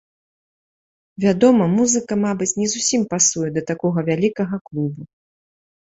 Вядома, музыка, мабыць, не зусім пасуе да такога вялікага клубу.